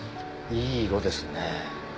いい色ですね。